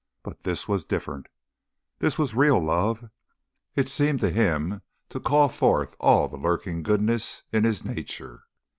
But this was different. This was real love. It seemed to him to call forth all the lurking goodness in his nature.